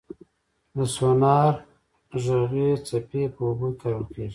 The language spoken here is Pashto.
د سونار غږي څپې په اوبو کې کارول کېږي.